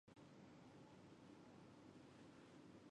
也有人将训诂学分为新旧两种。